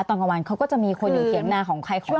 ตอนกลางวันเขาก็จะมีคนอยู่เถียงนาของใครของมัน